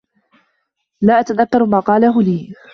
لا أتذكّر ما قاله لي.